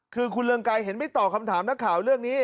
คือคุณเรืองไกรเห็นไม่ตอบคำถามนักข่าวเรื่องนี้